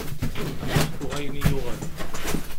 Ad m-d-ḥkuɣ ayen i yi-yuɣen.